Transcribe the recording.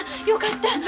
よかった。